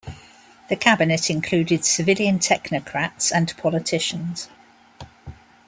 The cabinet included civilian technocrats and politicians.